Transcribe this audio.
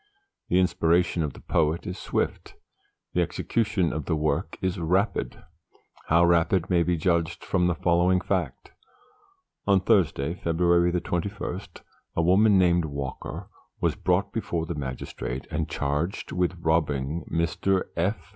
The inspiration of the poet is swift, the execution of the work rapid, how rapid may be judged from the following fact. On Thursday, February 21, a woman named Walker was brought before the magistrate and charged with robbing Mr. F.